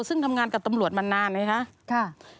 ซึ่งทำงานกับตำรวจมานานไหมคะ